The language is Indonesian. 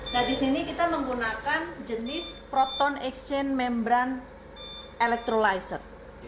nah di sini kita menggunakan jenis proton exchange membrane electrolyzer